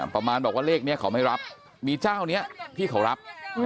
ประมาณบอกว่าเลขนี้เขาไม่รับมีเจ้านี้ที่เขารับ